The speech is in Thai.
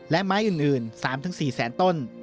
และไม้อื่น๓๔แสนต้น